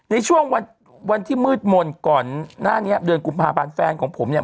ในช่วงวันวันที่มืดมนต์ก่อนหน้านี้เดือนกุมภาพันธ์แฟนของผมเนี่ย